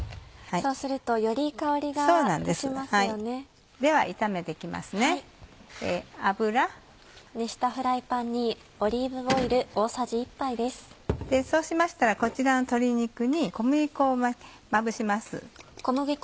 そうしましたらこちらの鶏肉に小麦粉をまぶします。